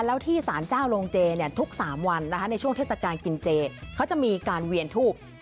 แล้วที่สารเจ้าโรงเจทุก๓วันในช่วงเทศกาลกินเจเขาจะมีการเวียนทูบ